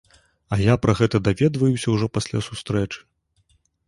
А я пра гэта даведваюся ўжо пасля сустрэчы.